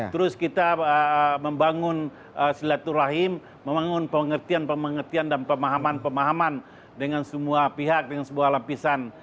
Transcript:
terus kita membangun silaturahim membangun pengertian pengertian dan pemahaman pemahaman dengan semua pihak dengan sebuah lapisan